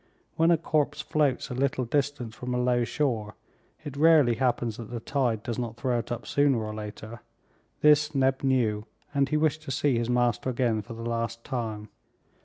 When a corpse floats a little distance from a low shore, it rarely happens that the tide does not throw it up, sooner or later. This Neb knew, and he wished to see his master again for the last time.